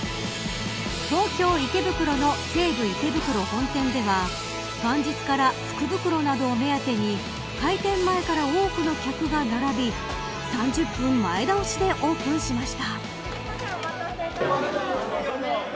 東京、池袋の西武池袋本店では元日から福袋などを目当てに開店前から多くの客が並び３０分前倒しでオープンしました。